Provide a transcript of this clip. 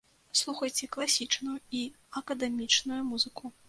Слухайце класічную і акадэмічную музыку.